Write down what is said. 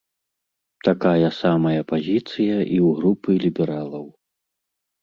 Такая самая пазіцыя і ў групы лібералаў.